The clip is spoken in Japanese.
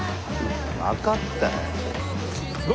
分かったよ。